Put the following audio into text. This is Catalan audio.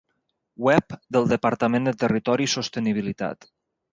Web del Departament de Territori i Sostenibilitat.